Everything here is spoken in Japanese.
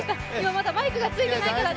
まだマイクがついてないですからね。